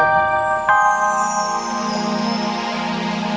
kesuruhan tuhan berkata begitu